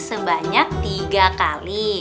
sebanyak tiga kali